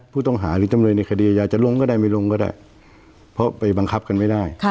ผู้ต้องหาหรือจำเลยในคดีอยากจะลงก็ได้ไม่ลงก็ได้เพราะไปบังคับกันไม่ได้